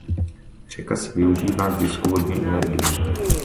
Řeka se využívá k zisku vodní energie.